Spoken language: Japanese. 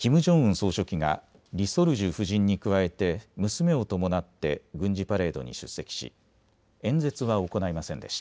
総書記がリ・ソルジュ夫人に加えて娘を伴って軍事パレードに出席し演説は行いませんでした。